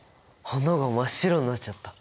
花が真っ白になっちゃった。